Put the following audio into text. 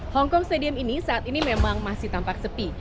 hongkong stadium ini saat ini memang masih tampak sepi